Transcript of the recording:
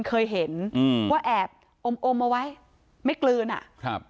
เคยเห็นอืมว่าแอบอมอมเอาไว้ไม่กลืนอ่ะครับ